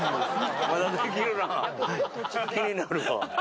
気になるわ。